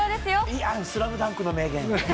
いやー、スラムダンクの名言。